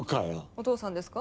お父さんですか？